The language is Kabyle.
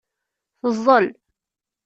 Teẓẓel.